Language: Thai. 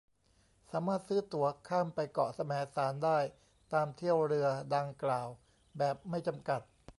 สามารถซื้อตั๋วข้ามไปเกาะแสมสารได้ตามเที่ยวเรือดังกล่าวแบบไม่จำกัด